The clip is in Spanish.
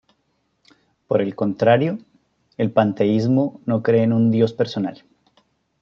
Por el contrario, el panteísmo no cree en un Dios personal.